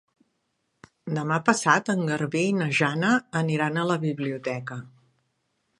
Demà passat en Garbí i na Jana aniran a la biblioteca.